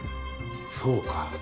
そうか。